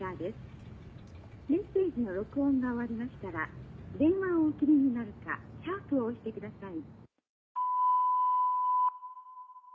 メッセージの録音が終わりましたら電話をお切りになるかシャープを押してください。